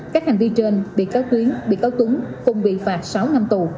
các hành vi trên bị cáo tuyến bị cáo tuấn cùng bị phạt sáu năm tù